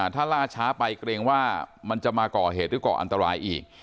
ถ้าล่าช้าไปเกรงว่ามันจะมาก่อเหตุหรือก่ออันตรายอีก